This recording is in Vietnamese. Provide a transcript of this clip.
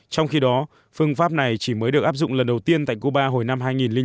trong khi đó phương pháp này chỉ mới được áp dụng lần đầu tiên tại cuba hồi năm hai nghìn chín